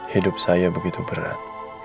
hidup saya begitu berat